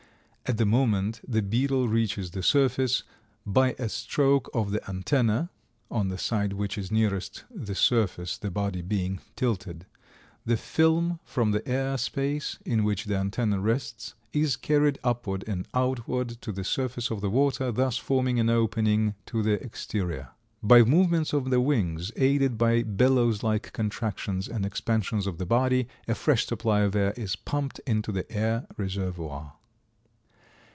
At the moment the beetle reaches the surface, by a stroke of the antenna (on the side which is nearest the surface, the body being tilted), the film from the air space in which the antenna rests is carried upward and outward to the surface of the water, thus forming an opening to the exterior. By movements of the wings, aided by bellows like contractions and expansions of the body, a fresh supply of air is pumped into the air reservoir.